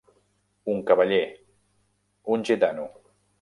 Un cavaller. Un gitano.